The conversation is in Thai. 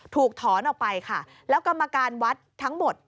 ถูกถอนออกไปค่ะแล้วกรรมการวัดทั้งหมด